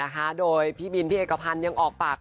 นะคะโดยพี่บินพี่เอกพันธ์ยังออกปาก